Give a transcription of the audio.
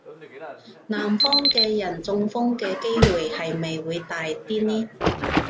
南方嘅人中風嘅機會係咪會大啲呢?